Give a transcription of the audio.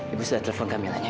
ibu sudah telepon kak milanya